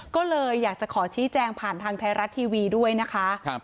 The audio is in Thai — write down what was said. ก็เลยอยากจะขอชี้แจงผ่านทางไทยรัฐทีวีด้วยนะคะ